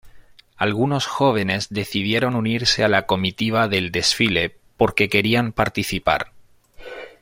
Algunos jóvenes decidieron unirse a la comitiva del desfile porque querían participar.